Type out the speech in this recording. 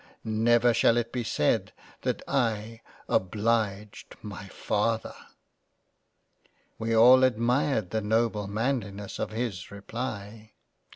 Never shall it be said that I obliged my Father." We all admired the noble Manliness of his reply.